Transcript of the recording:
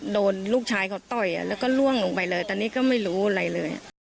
ตอนนี้ก็ไม่รู้อะไรเลย